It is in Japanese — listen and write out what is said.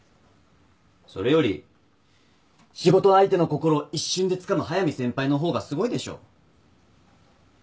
それより仕事相手の心を一瞬でつかむ速見先輩の方がすごいでしょ。